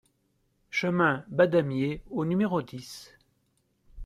Chemin Badamier au numéro dix